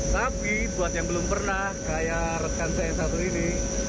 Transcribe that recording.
tapi buat yang belum pernah kayak rekan saya yang satu ini